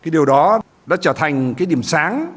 điều đó đã trở thành điểm sáng